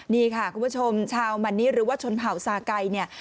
นี่ค่ะคุณผู้ชมชาวมันนิหรือว่าชนเผ่าซาไก่เนี่ย